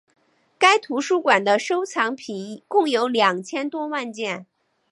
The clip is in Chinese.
该图书馆的收藏品共有两千多万件。